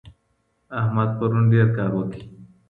احمد پرون ډېر کار وکړی.